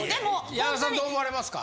矢田さんどう思われますか？